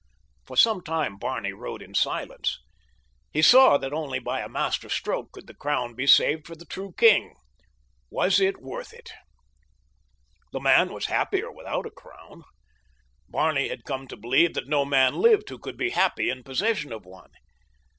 For some time Barney rode in silence. He saw that only by a master stroke could the crown be saved for the true king. Was it worth it? The man was happier without a crown. Barney had come to believe that no man lived who could be happy in possession of one.